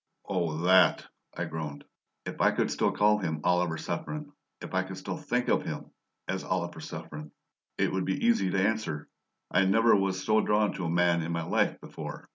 "Oh, THAT!" I groaned. "If I could still call him 'Oliver Saffren,' if I could still think of him as 'Oliver Saffren,' it would be easy to answer. I never was so 'drawn' to a man in my life before.